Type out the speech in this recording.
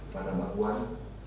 pada mbak buan